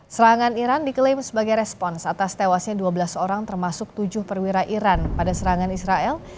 serangan iran diklaim sebagai respons atas tewasnya dua belas orang termasuk tujuh perwira iran pada serangan israel